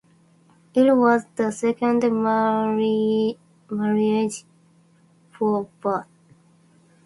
It was the second marriage for both.